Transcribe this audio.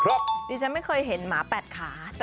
เพื่อนเอาของมาฝากเหรอคะเพื่อนมาดูลูกหมาไงหาถึงบ้านเลยแหละครับ